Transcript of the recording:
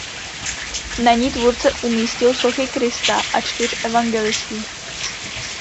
Na ní tvůrce umístil sochy Krista a čtyř evangelistů.